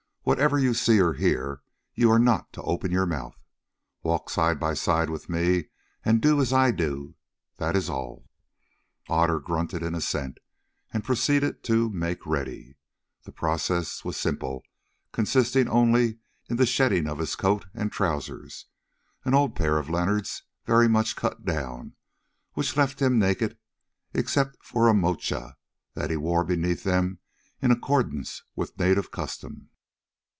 Whatever you see or hear, you are not to open your mouth. Walk side by side with me and do as I do, that is all." Otter grunted in assent, and proceeded to "make ready." The process was simple, consisting only in the shedding of his coat and trousers—an old pair of Leonard's, very much cut down—which left him naked, except for a moocha that he wore beneath them in accordance with native custom.